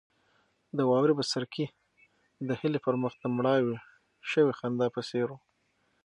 د واورې بڅرکي د هیلې پر مخ د مړاوې شوې خندا په څېر وو.